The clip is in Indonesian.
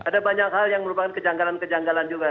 ada banyak hal yang merupakan kejanggalan kejanggalan juga